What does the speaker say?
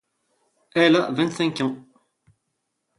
Elle a vingt-cinq ans.